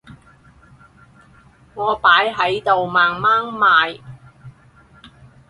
我擺喺度慢慢賣